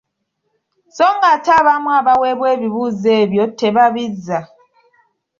So ng’ate abamu abaweebwa ebibuuzo ebyo tebabizza.